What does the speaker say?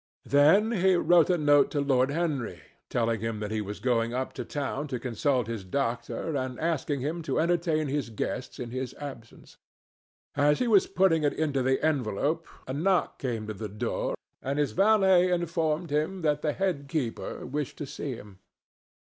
Then he wrote a note to Lord Henry, telling him that he was going up to town to consult his doctor and asking him to entertain his guests in his absence. As he was putting it into the envelope, a knock came to the door, and his valet informed him that the head keeper wished to see him.